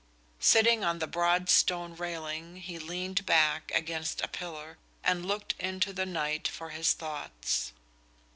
Sitting on the broad stone railing he leaned back against a pillar and looked into the night for his thoughts.